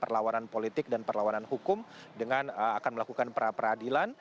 perlawanan politik dan perlawanan hukum dengan akan melakukan pra peradilan